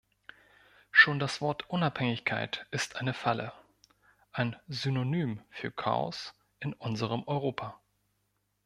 Schon das Wort Unabhängigkeit ist eine Falle, ein Synonym für Chaos in unserem Europa.